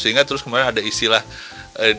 sehingga terus kemarin ada istilah di press release nya bnp